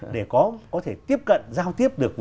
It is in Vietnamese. để có thể tiếp cận giao tiếp được với